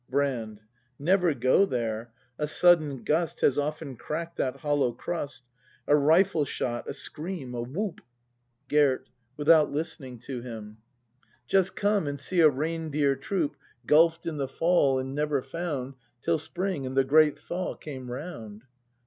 Brand. Never go there; a sudden gust Has often crack'd that hollow crust; A rifle shot, a scream, a whoop • ACT I] BRAND 53 Gerd. [Without listening to him.] Just come and see a reindeer troop Gulf d in the fall, and never found Till spring and the great thaw came round.